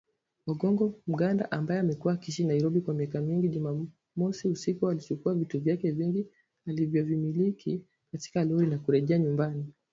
Ogongo Mganda, ambaye amekuwa akiishi Nairobi, kwa miaka kadhaa, Jumamosi usiku alichukua vitu vyake vingi anavyomiliki katika lori kurejea nyumbani